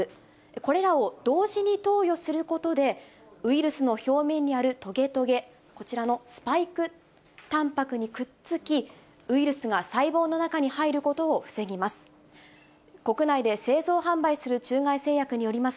これらを同時に投与することで、ウイルスの表面にあるとげとげ、こちらのスパイクタンパクにくっつき、ウイルスが細胞の中に入ることを防ぎます。